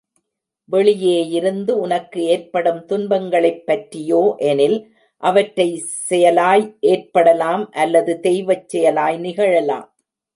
வெளியேயிருந்து உனக்கு ஏற்படும் துன்பங்களைப் பற்றியோ எனில், அவற்றை செயலாய் ஏற்படலாம், அல்லது தெய்வச் செயலாய் நிகழலாம்.